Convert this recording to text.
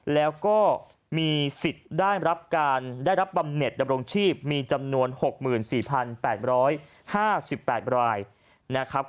แล้วก็มีสิทธิ์ได้รับบำเน็ตดำรงชีพมีจำนวน๖๔๘๕๘ราย